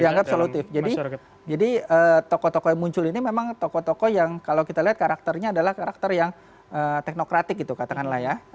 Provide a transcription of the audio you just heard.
dianggap solutif jadi tokoh tokoh yang muncul ini memang tokoh tokoh yang kalau kita lihat karakternya adalah karakter yang teknokratik gitu katakanlah ya